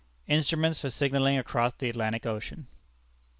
INSTRUMENTS FOR SIGNALLING ACROSS THE ATLANTIC OCEAN.